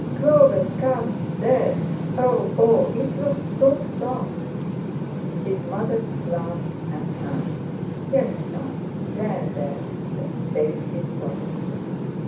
"Clover's calf's dead! Oh! Oh! It looked so soft!" His mother's clasp, and her: "Yes, darling, there, there!" had stayed his sobbing.